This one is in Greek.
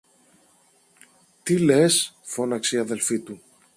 Τι λες! φώναξε η αδελφή του.